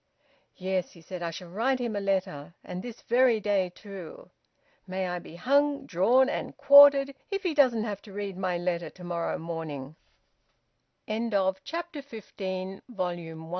"Yes," he said, "I shall write him a letter, and this very day, too! May I be hung, drawn, and quartered if he doesn't have to read my letter to morrow morning!" VOLUME ONE, CHAPTER SIXTEEN. THE LETTER.